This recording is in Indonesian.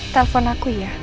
telepon aku ya